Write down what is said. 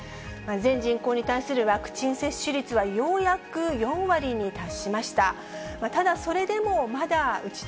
全人口に対するワクチン接種率は、ようやく４割に達しました。